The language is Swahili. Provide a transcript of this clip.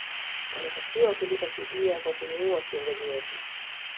wanatakiwa kulipa fidia kwa kumua kiongozi wetu